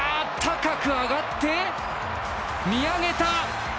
高く上がって見上げた。